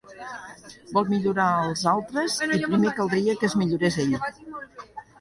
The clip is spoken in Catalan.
Vol millorar els altres i primer caldria que es millorés ell.